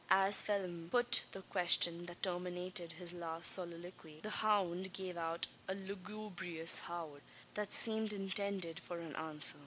As Phelim put the question that terminated his last soliloquy, the hound gave out a lugubrious howl, that seemed intended for an answer.